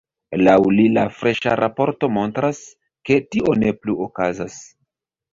Laŭ li la freŝa raporto montras, ke tio ne plu okazas.